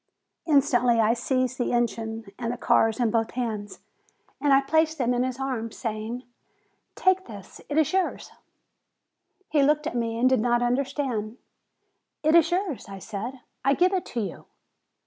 Instantly I seized the engine and the cars in both hands, and placed them in his arms, saying: "Take this; it is yours." He looked at me, and did not understand. "It is yours," I said; "I give it to you."